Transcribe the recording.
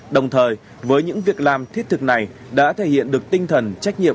đồng thời với những việc làm thiết thực này đã thể hiện được tinh thần trách nhiệm